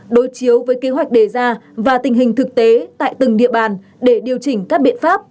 đối chiếu với kế hoạch đề ra và tình hình thực tế tại từng địa bàn để điều chỉnh các biện pháp